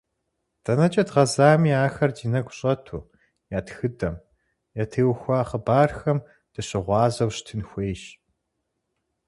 Дэнэкӏэ дгъазэми ахэр ди нэгу щӏэту, я тхыдэм, ятеухуа хъыбархэм дыщыгъуазэу щытын хуейщ.